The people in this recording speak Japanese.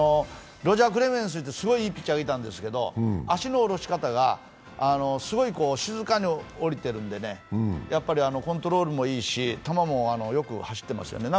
ロジャー・クレメンスというすごいいいピッチャーがいたんですけど足の下ろし方がすごく静かに下りてるんで、コントロールもいいし、球もよく走ってますね。